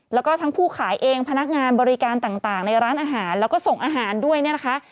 แล้วก็ทั้งผู้ขายเองพนักงานบริการต่างในร้านอาหารแล้วก็ส่งอาหารด้วยเนี่ยนะคะ